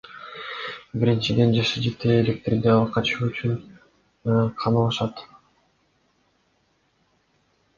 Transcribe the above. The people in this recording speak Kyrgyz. Биринчиден, жашы жете электерди ала качуу үчүн камалышат.